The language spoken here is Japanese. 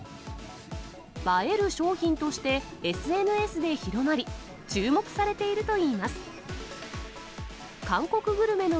映える商品としてＳＮＳで広まり、注目されているといいます。